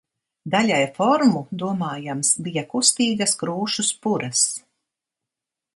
Daļai formu, domājams, bija kustīgas krūšu spuras.